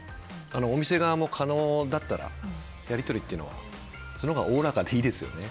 お店側も可能だったらやりとりはそのほうがおおらかでいいですよね。